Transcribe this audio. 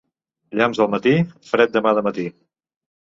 Llamps al matí, fred demà de matí.